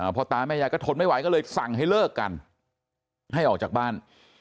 พ่อตาแม่ยายก็ทนไม่ไหวก็เลยสั่งให้เลิกกันให้ออกจากบ้าน